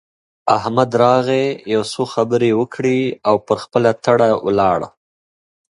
احمد راغی؛ يو څو خبرې يې وکړې او پر خپله تړه ولاړ.